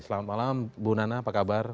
selamat malam bu nana apa kabar